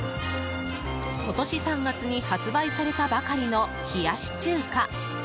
今年３月に発売されたばかりの冷やし中華。